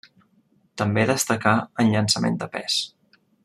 També destacà en llançament de pes.